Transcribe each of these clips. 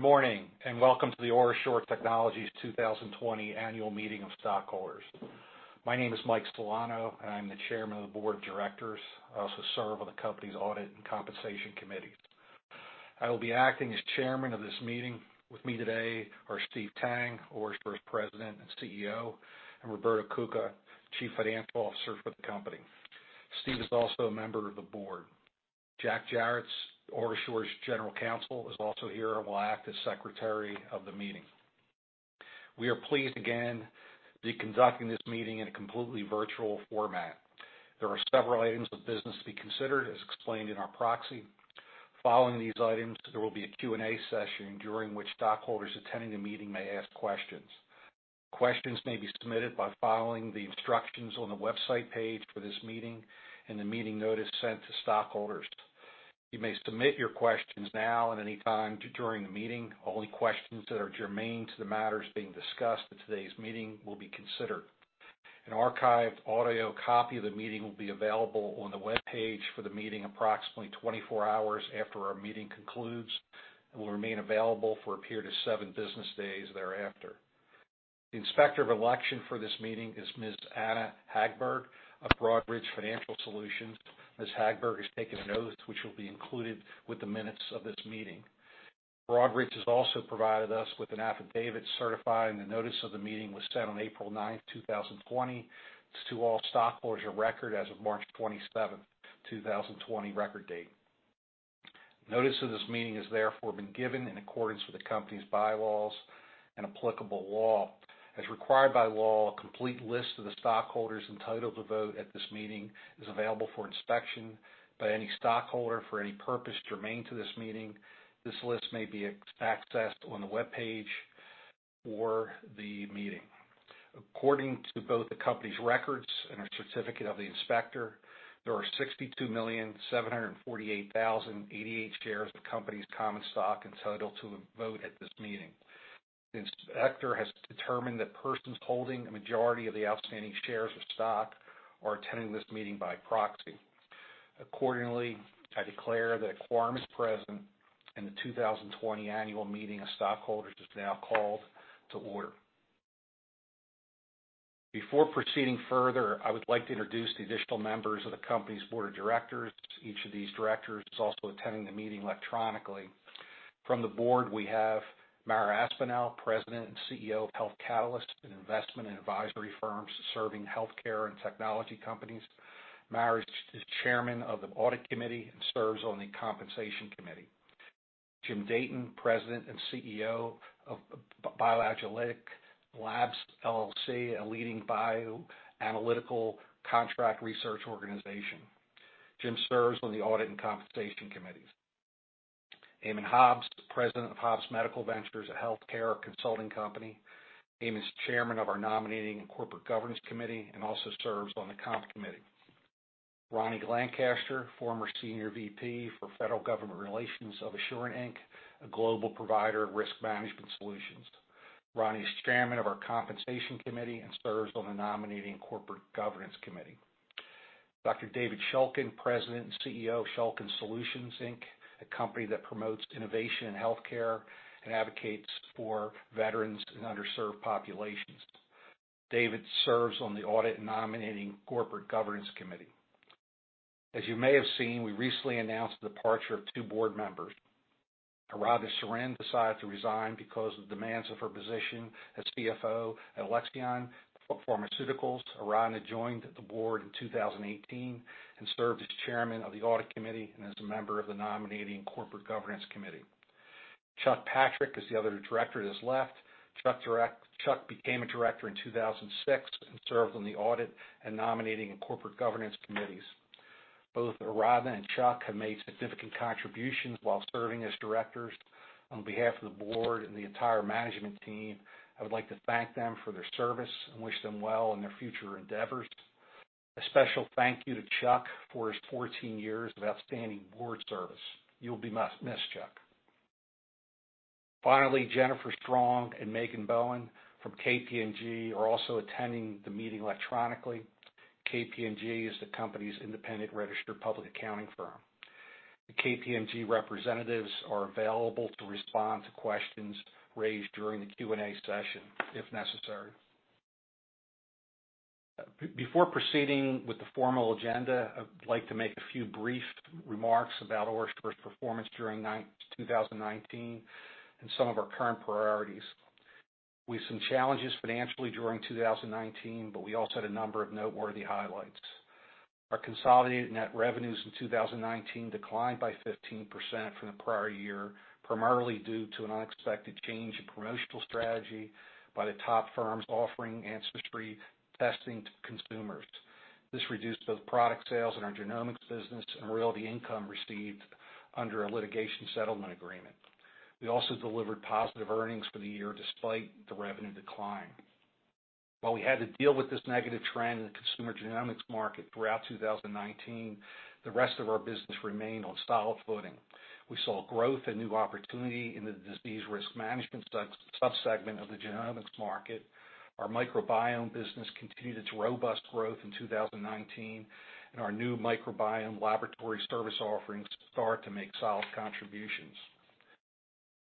Good morning, welcome to the OraSure Technologies 2020 annual meeting of stockholders. My name is Mike Celano, and I'm the Chairman of the Board of Directors. I also serve on the company's audit and compensation committees. I will be acting as chairman of this meeting. With me today are Steve Tang, OraSure's President and CEO, and Roberto Cuca, Chief Financial Officer for the company. Steve is also a member of the Board. Jack Jerrett, OraSure's General Counsel, is also here and will act as secretary of the meeting. We are pleased again to be conducting this meeting in a completely virtual format. There are several items of business to be considered, as explained in our proxy. Following these items, there will be a Q&A session during which stockholders attending the meeting may ask questions. Questions may be submitted by following the instructions on the website page for this meeting and the meeting notice sent to stockholders. You may submit your questions now and at any time during the meeting. Only questions that are germane to the matters being discussed at today's meeting will be considered. An archived audio copy of the meeting will be available on the webpage for the meeting approximately 24 hours after our meeting concludes and will remain available for a period of seven business days thereafter. The Inspector of Election for this meeting is Ms. Anna Hagberg of Broadridge Financial Solutions. Ms. Hagberg has taken notes, which will be included with the minutes of this meeting. Broadridge has also provided us with an affidavit certifying the notice of the meeting was sent on April 9th, 2020 to all stockholders of record as of March 27th, 2020 record date. Notice of this meeting has therefore been given in accordance with the company's bylaws and applicable law. As required by law, a complete list of the stockholders entitled to vote at this meeting is available for inspection by any stockholder for any purpose germane to this meeting. This list may be accessed on the webpage for the meeting. According to both the company's records and our certificate of the Inspector, there are 62,748,088 shares of the company's common stock entitled to a vote at this meeting. The Inspector has determined that persons holding a majority of the outstanding shares of stock are attending this meeting by proxy. Accordingly, I declare that a quorum is present, and the 2020 annual meeting of stockholders is now called to order. Before proceeding further, I would like to introduce the additional members of the company's board of directors. Each of these directors is also attending the meeting electronically. From the board, we have Mara Aspinall, President and CEO of Health Catalyst, an investment and advisory firm serving healthcare and technology companies. Mara is the Chairman of the Audit Committee and serves on the Compensation Committee. Jim Datin, President and CEO of BioAgilytix Labs, LLC, a leading bioanalytical contract research organization. Jim serves on the Audit and Compensation Committees. Eamonn Hobbs, President of Hobbs Medical Ventures, a healthcare consulting company. Eamonn's Chairman of our Nominating and Corporate Governance Committee and also serves on the Comp Committee. Ronny Lancaster, former Senior VP for Federal Government Relations of Assurant, Inc., a global provider of risk management solutions. Ronny is Chairman of our Compensation Committee and serves on the Nominating and Corporate Governance Committee. Dr. David Shulkin, President and CEO of Shulkin Solutions, Inc., a company that promotes innovation in healthcare and advocates for veterans and underserved populations. David serves on the Audit and Nominating Corporate Governance Committee. As you may have seen, we recently announced the departure of two board members. Aradhana Sarin decided to resign because of demands of her position as CFO at Alexion Pharmaceuticals. Aradhana joined the board in 2018 and served as Chairman of the Audit Committee and as a member of the Nominating Corporate Governance Committee. Charles W. Patrick is the other director that has left. Charles W. became a director in 2006 and served on the Audit and Nominating and Corporate Governance Committees. Both Aradhana and Charles W. have made significant contributions while serving as directors. On behalf of the board and the entire management team, I would like to thank them for their service and wish them well in their future endeavors. A special thank you to Chuck for his 14 years of outstanding board service. You'll be missed, Chuck. Jennifer Strong and Megan Bowen from KPMG are also attending the meeting electronically. KPMG is the company's independent registered public accounting firm. The KPMG representatives are available to respond to questions raised during the Q&A session if necessary. Before proceeding with the formal agenda, I'd like to make a few brief remarks about OraSure's performance during 2019 and some of our current priorities. We had some challenges financially during 2019, but we also had a number of noteworthy highlights. Our consolidated net revenues in 2019 declined by 15% from the prior year, primarily due to an unexpected change in promotional strategy by the top firms offering ancestry testing to consumers. This reduced both product sales in our genomics business and royalty income received under a litigation settlement agreement. We also delivered positive earnings for the year despite the revenue decline. While we had to deal with this negative trend in the consumer genomics market throughout 2019, the rest of our business remained on solid footing. We saw growth and new opportunity in the disease risk management subsegment of the genomics market. Our microbiome business continued its robust growth in 2019, and our new microbiome laboratory service offerings start to make solid contributions.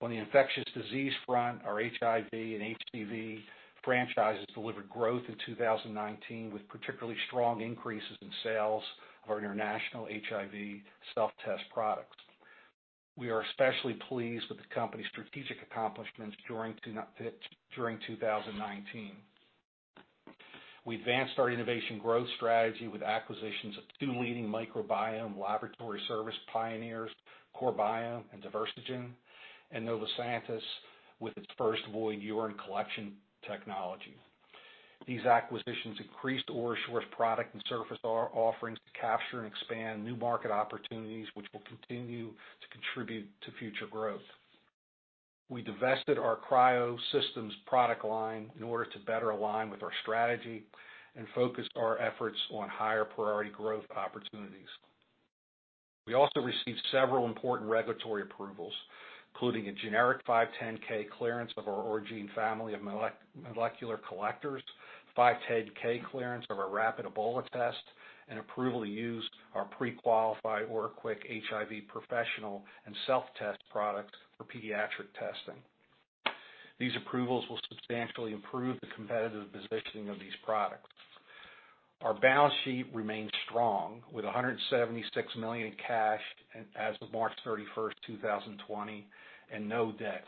On the infectious disease front, our HIV and HCV franchises delivered growth in 2019, with particularly strong increases in sales of our international HIV self-test products. We are especially pleased with the company's strategic accomplishments during 2019. We advanced our innovation growth strategy with acquisitions of two leading microbiome laboratory service pioneers, CoreBiome and Diversigen, and Novosanis, with its first void urine collection technology. These acquisitions increased OraSure's product and service offerings to capture and expand new market opportunities, which will continue to contribute to future growth. We divested our cryosurgical systems business in order to better align with our strategy and focus our efforts on higher priority growth opportunities. We also received several important regulatory approvals, including a generic 510(k) clearance of our Oragene family of molecular collectors, 510(k) clearance of our rapid Ebola test, and approval to use our pre-qualified OraQuick HIV professional and self-test products for pediatric testing. These approvals will substantially improve the competitive positioning of these products. Our balance sheet remains strong, with $176 million in cash as of March 31st, 2020, and no debt.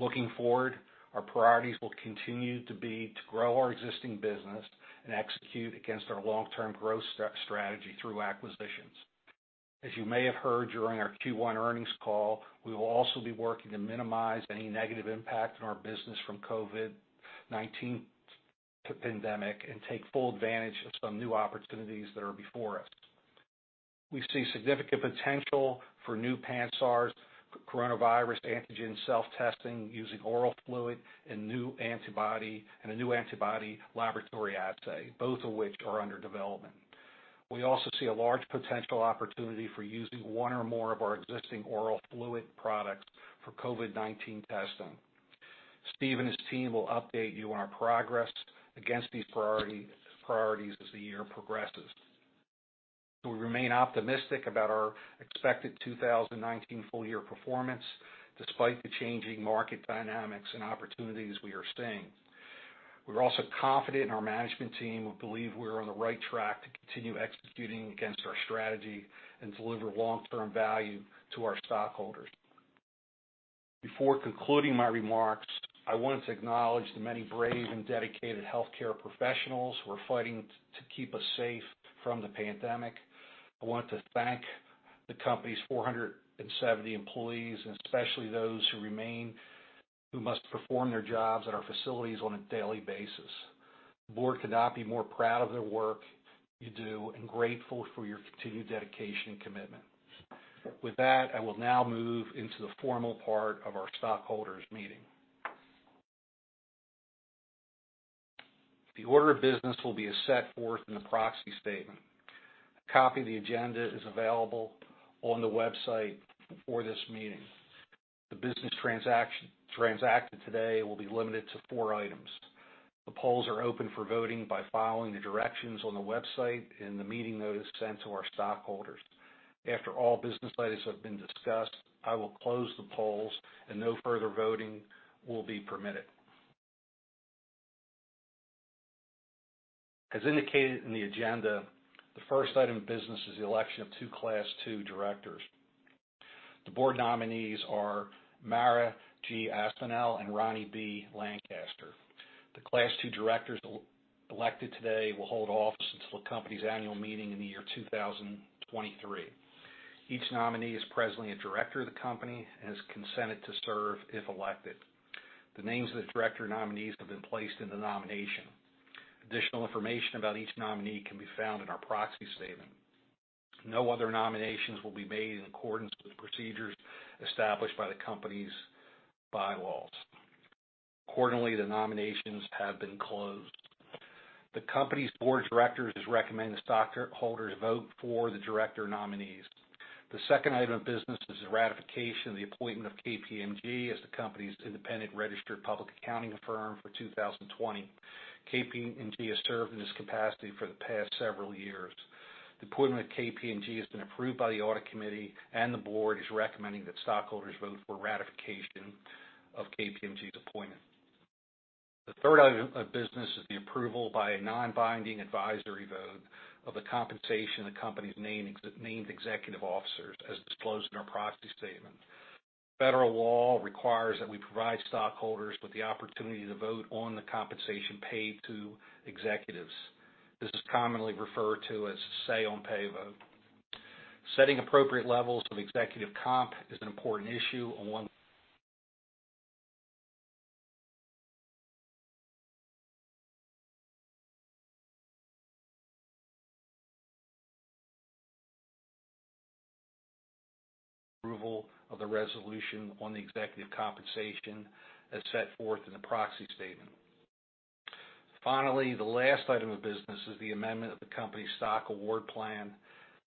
Looking forward, our priorities will continue to be to grow our existing business and execute against our long-term growth strategy through acquisitions. As you may have heard during our Q1 earnings call, we will also be working to minimize any negative impact on our business from COVID-19 pandemic and take full advantage of some new opportunities that are before us. We see significant potential for new pan-SARS coronavirus antigen self-testing using oral fluid and a new antibody laboratory assay, both of which are under development. We also see a large potential opportunity for using one or more of our existing oral fluid products for COVID-19 testing. Steve and his team will update you on our progress against these priorities as the year progresses. We remain optimistic about our expected 2019 full-year performance, despite the changing market dynamics and opportunities we are seeing. We're also confident in our management team and believe we're on the right track to continue executing against our strategy and deliver long-term value to our stockholders. Before concluding my remarks, I wanted to acknowledge the many brave and dedicated healthcare professionals who are fighting to keep us safe from the pandemic. I want to thank the company's 470 employees, and especially those who remain, who must perform their jobs at our facilities on a daily basis. The board could not be more proud of the work you do and grateful for your continued dedication and commitment. With that, I will now move into the formal part of our stockholders meeting. The order of business will be as set forth in the proxy statement. A copy of the agenda is available on the website for this meeting. The business transacted today will be limited to four items. The polls are open for voting by following the directions on the website and the meeting notice sent to our stockholders. After all business items have been discussed, I will close the polls and no further voting will be permitted. As indicated in the agenda, the first item of business is the election of two Class 2 directors. The board nominees are Mara G. Aspinall and Ronny B. Lancaster. The Class 2 directors elected today will hold office until the company's annual meeting in the year 2023. Each nominee is presently a director of the company and has consented to serve if elected. The names of the director nominees have been placed in the nomination. Additional information about each nominee can be found in our proxy statement. No other nominations will be made in accordance with procedures established by the company's bylaws. Accordingly, the nominations have been closed. The company's board of directors has recommended stockholders vote for the director nominees. The second item of business is the ratification of the appointment of KPMG as the company's independent registered public accounting firm for 2020. KPMG has served in this capacity for the past several years. The appointment of KPMG has been approved by the audit committee, and the board is recommending that stockholders vote for ratification of KPMG's appointment. The third item of business is the approval by a non-binding advisory vote of the compensation of the company's named executive officers as disclosed in our proxy statement. Federal law requires that we provide stockholders with the opportunity to vote on the compensation paid to executives. This is commonly referred to as a say-on-pay vote. Setting appropriate levels of executive comp is an important issue on approval of the Resolution on the Executive Compensation as set forth in the proxy statement. Finally, the last item of business is the amendment of the company's stock award plan.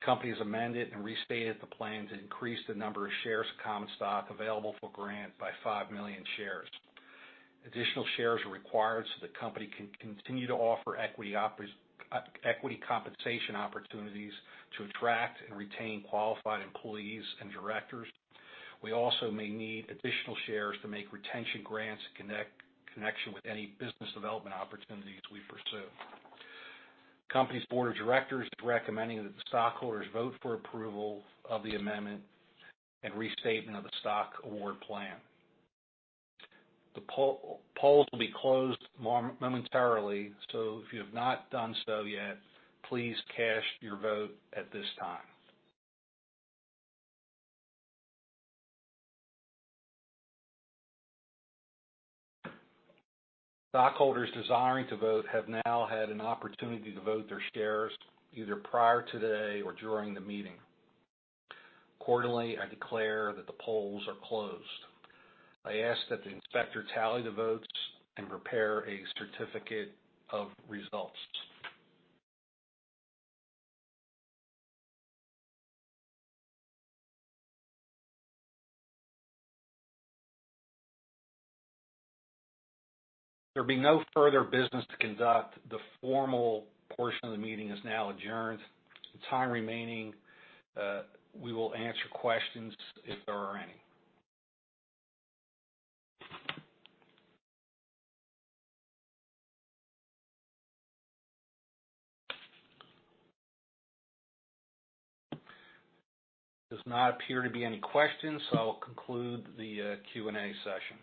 The company has amended and restated the plan to increase the number of shares of common stock available for grant by 5 million shares. Additional shares are required so the company can continue to offer equity compensation opportunities to attract and retain qualified employees and directors. We also may need additional shares to make retention grants in connection with any business development opportunities we pursue. Company's board of directors is recommending that the stockholders vote for approval of the amendment and restatement of the stock award plan. The polls will be closed momentarily, so if you have not done so yet, please cast your vote at this time. Stockholders desiring to vote have now had an opportunity to vote their shares either prior today or during the meeting. Accordingly, I declare that the polls are closed. I ask that the inspector tally the votes and prepare a certificate of results. There'll be no further business to conduct. The formal portion of the meeting is now adjourned. The time remaining, we will answer questions if there are any. Does not appear to be any questions. I'll conclude the Q&A session.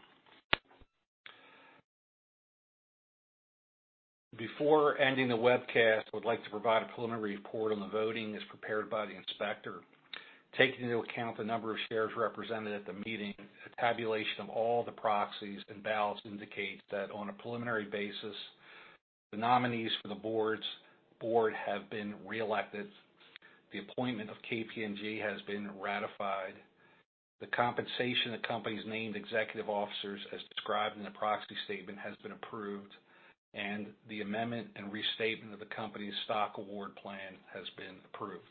Before ending the webcast, I would like to provide a preliminary report on the voting as prepared by the inspector. Taking into account the number of shares represented at the meeting, a tabulation of all the proxies and ballots indicate that on a preliminary basis, the nominees for the board have been reelected. The appointment of KPMG has been ratified. The compensation the company's named executive officers as described in the proxy statement has been approved, and the amendment and restatement of the company's stock award plan has been approved.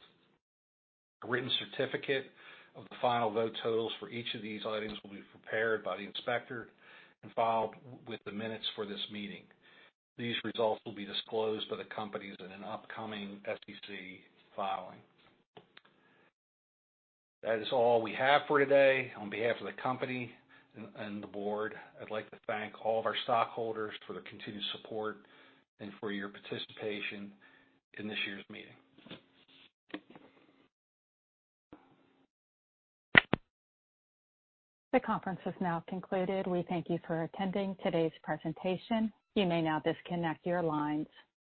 A written certificate of the final vote totals for each of these items will be prepared by the inspector and filed with the minutes for this meeting. These results will be disclosed by the company in an upcoming SEC filing. That is all we have for today. On behalf of the company and the board, I'd like to thank all of our stockholders for their continued support and for your participation in this year's meeting. The conference has now concluded. We thank you for attending today's presentation. You may now disconnect your lines.